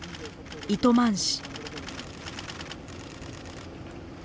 糸満市。